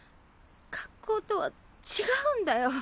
学校とは違うんだよ。